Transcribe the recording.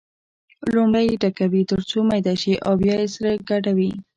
لومړی یې ټکوي تر څو میده شي او بیا یې سره ګډوي.